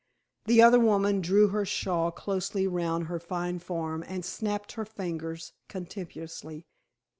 The other woman drew her shawl closely round her fine form and snapped her fingers contemptuously.